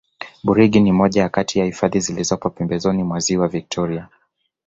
burigi ni moja Kati ya hifadhi zilizopo pembezoni mwa ziwa victoria